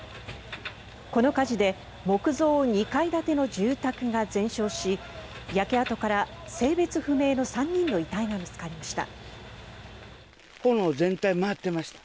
この火事で木造２階建ての住宅が全焼し焼け跡から性別不明の３人の遺体が見つかりました。